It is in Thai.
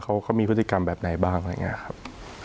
เขามีพฤติกรรมแบบไหนบ้างอะไรอย่างนี้ครับ